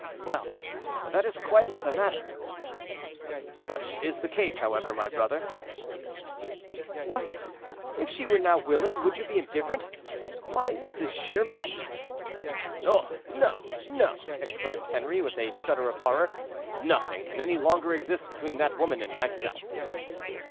"Well, that is quite another matter." "Such is the case, however, my brother." "What! if she were now willing, would you be indifferent? Why, this is sheer madness." "Oh! no! no!" exclaimed Henri, with a shudder of horror, "nothing can any longer exist between that woman and myself."